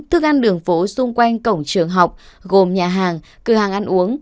thức ăn đường phố xung quanh cổng trường học gồm nhà hàng cửa hàng ăn uống